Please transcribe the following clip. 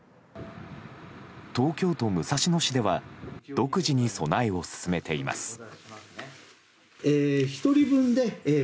東京都武蔵野市では独自に備えを進めています。